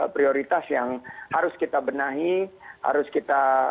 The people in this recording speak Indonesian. prioritas yang harus kita benahi harus kita siapkan sehingga nanti mungkin dari aspek infrastrukturnya